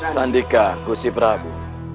sandika gusti prabu